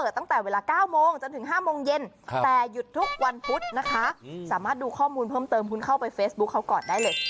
สามารถดูข้อมูลเพิ่มเติมคุณเข้าไปเฟซบุ๊คเขาก่อนได้เลย